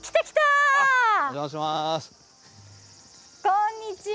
こんにちは。